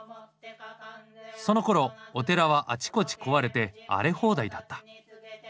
そのころお寺はあちこち壊れて荒れ放題だった。